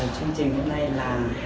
chương trình hôm nay là